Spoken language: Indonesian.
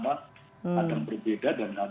ada berbeda dan ada sama